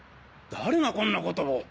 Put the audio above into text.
誰がこんなことを。